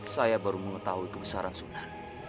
saya baru mengetahui kebesaran sudah